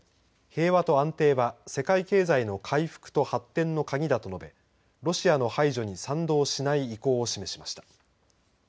平和と安定は世界経済の回復と発展の鍵だと述べロシアの排除に賛同しない意向を示しました。